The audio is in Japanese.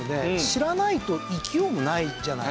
知らないと行きようもないじゃないですか。